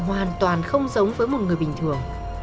hoàn toàn không giống với một người bình thường